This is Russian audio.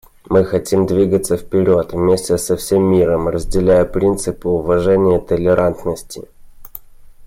Мы хотим двигаться вперед вместе со всем миром, разделяя принципы уважения и толерантности.